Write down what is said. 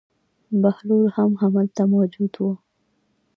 بهلول هم هلته موجود و.